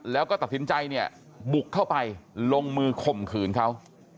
แล้วก็ตัดสินใจเนี่ยบุกเข้าไปลงมือข่มขืนเขา